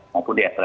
maupun di s l dua